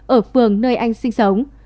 ở phường nơi anh sinh sống